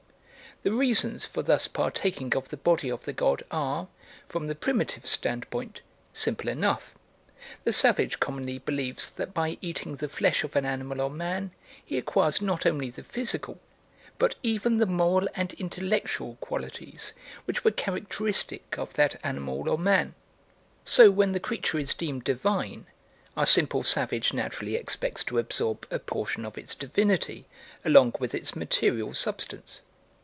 The reasons for thus partaking of the body of the god are, from the primitive standpoint, simple enough. The savage commonly believes that by eating the flesh of an animal or man he acquires not only the physical, but even the moral and intellectual qualities which were characteristic of that animal or man; so when the creature is deemed divine, our simple savage naturally expects to absorb a portion of its divinity along with its material substance.